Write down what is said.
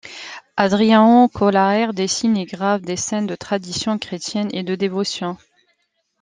Adriaen Collaert dessine et grave des scènes de tradition chrétienne et de dévotion.